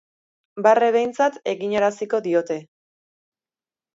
Barre behintzat eginaraziko diote.